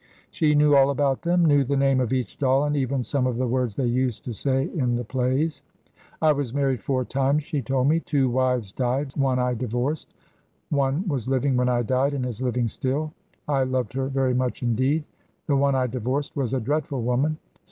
She knew all about them, knew the name of each doll, and even some of the words they used to say in the plays. 'I was married four times,' she told me. 'Two wives died, one I divorced; one was living when I died, and is living still. I loved her very much indeed. The one I divorced was a dreadful woman.